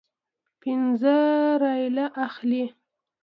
پنځه ریاله اخلي.